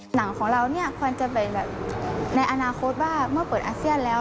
หนังของเราเนี่ยควรจะเป็นแบบในอนาคตว่าเมื่อเปิดอาเซียนแล้ว